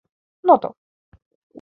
noto